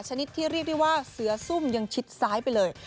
ชนิดที่เรียกได้ว่าเสือซุ่มยังชิดซ้ายไปเลย